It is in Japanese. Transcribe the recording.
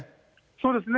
そうですね。